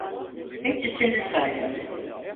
Hepsi senin sayende.